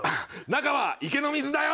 中は池の水だよ！